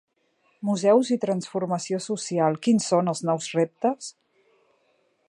Museus i transformació social: quins són els nous reptes?